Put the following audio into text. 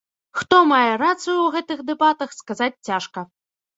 Хто мае рацыю ў гэтых дэбатах, сказаць цяжка.